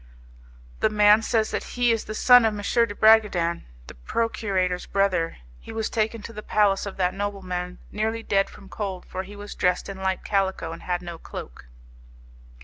The man says that he is the son of M. de Bragadin, the procurator's brother. He was taken to the palace of that nobleman nearly dead from cold, for he was dressed in light calico, and had no cloak.